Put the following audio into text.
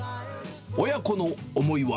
親子の思いは。